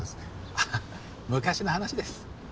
ああ昔の話です。